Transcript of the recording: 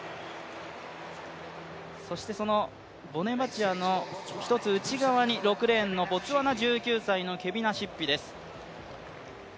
そしてボネバチアの一つ内側に６レーンのボツワナ、１９歳のケビナシッピです。